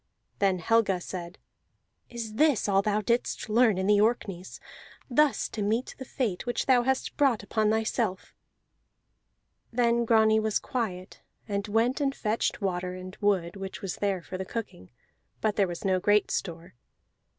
Then Helga said: "Is this all thou didst learn in the Orkneys, thus to meet the fate which thou hast brought upon thyself?" Then Grani was quiet, and went and fetched water, and wood which was there for the cooking (but there was no great store).